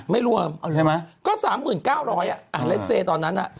ไม่รวมใช่ไหมก็๓๐๙๐๐บาทตอนนั้นน่ะ